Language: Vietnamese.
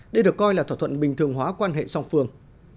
đây được coi là thỏa thuận bình thường hóa quan hệ song phương